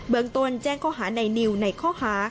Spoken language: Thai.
เมืองต้นแจ้งข้อหาในนิวในข้อหา